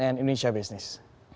di cnn indonesia business